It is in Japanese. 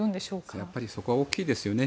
やっぱりそこは大きいですよね。